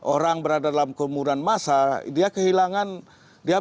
orang berada dalam kerumunan massa dia kehilangan dia menjadi ada